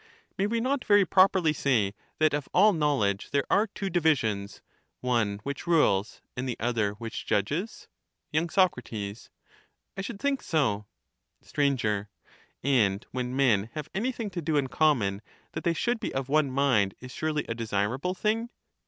May we not very properly say, that of all knowledge, there are two divisions— one which rules, and the other which judges ? Y. Soc. I should think so. Str. And when men have anything to do in common, that they should be of one mind is surely a desirable thing